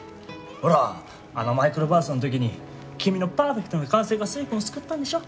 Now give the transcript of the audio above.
ほらあのマイクロバーストの時に君のパーフェクトな管制が粋くんを救ったんでしょ？